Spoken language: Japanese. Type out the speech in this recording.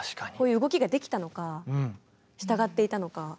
こういう動きができたのか従っていたのか。